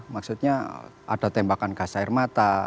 maksudnya ada tembakan gas air mata